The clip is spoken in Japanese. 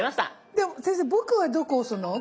先生僕はどこ押すの？